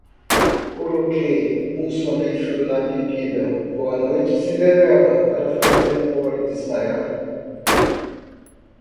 Coloquei um sonífero na bebida, boa noite cinderela, para fazer o boy desmaiar